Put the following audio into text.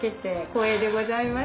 光栄でございます。